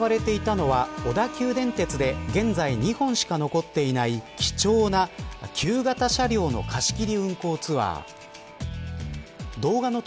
今月３日この日行われていたのは小田急電鉄で現在、２本しか残っていない貴重な旧型車両の貸し切り運行ツアー。